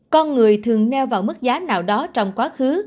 con người thường neo vào mức giá nào đó trong quá khứ